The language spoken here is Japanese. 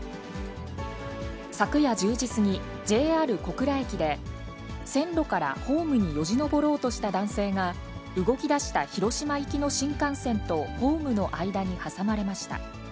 昨夜１０時過ぎ、ＪＲ小倉駅で、線路からホームによじ登ろうとした男性が、動きだした広島行きの新幹線とホームの間に挟まれました。